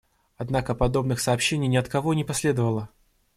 Однако подобных сообщений ни от кого не последовало.